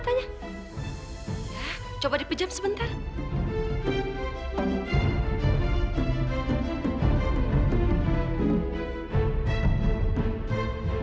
tampan kamu kenapa